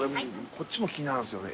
こっちも気になるんすよね